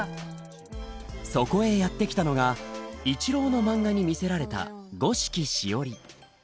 そこへやって来たのが一郎の漫画に魅せられた五色しおり。